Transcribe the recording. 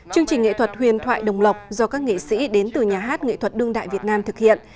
chương trình nghệ thuật huyền thoại đồng lộc do các nghệ sĩ đến từ nhà hát nghệ thuật đương đại việt nam thực hiện